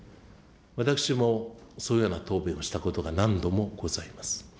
私もそういうような答弁をしたことが何度もございます。